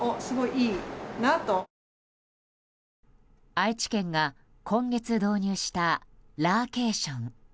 愛知県が今月導入したラーケーション。